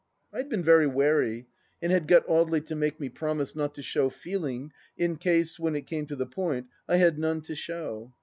.,. I had been very wary, and had got Audely to make me promise not to show feeling, in case, when it came to the point, I had none to show.